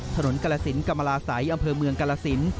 ถนนกรสินกรรมลาศัยอำเภอเมืองกาลสิน